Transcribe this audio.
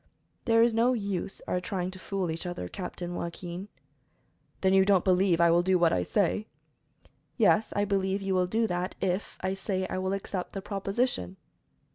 "There is no use our trying to fool each other, Captain Joaquin." "Then you don't believe that I will do what I say?" "Yes, I believe you will do that, if I say I will accept the proposition."